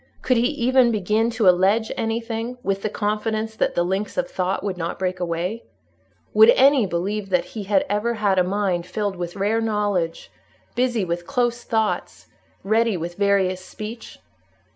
Could he even begin to allege anything, with the confidence that the links of thought would not break away? Would any believe that he had ever had a mind filled with rare knowledge, busy with close thoughts, ready with various speech?